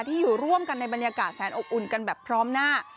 ที่อยู่ร่วมกันในบรรยากาศแสนอบอุ่นกันแบบพร้อมหน้า